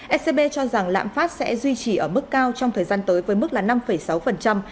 ecb cho rằng lạm phát sẽ duy trì ở mức cao trong thời gian tới với mức là năm sáu trong năm hai nghìn hai mươi ba